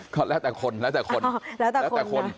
ก็แล้วแต่คนแล้วแต่คน